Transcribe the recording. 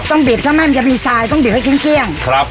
ต้องบีบถ้าไม่มันจะมีทรายต้องบีบให้เคี้ยงเคี้ยงครับ